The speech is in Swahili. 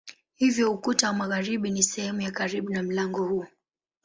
Hivyo ukuta wa magharibi ni sehemu ya karibu na mlango huu.